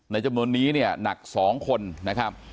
จำนวนนี้เนี่ยหนัก๒คนนะครับ